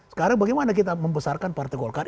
sekarang bagaimana kita membesarkan partai golkar